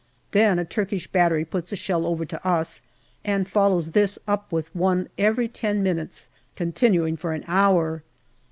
Then a Turkish battery puts a shell over to us, and follows this up with one every ten minutes, continuing for an hour